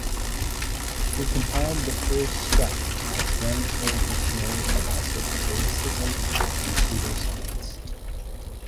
He compiled the first Czech explanatory dictionary of esotericism and pseudoscience.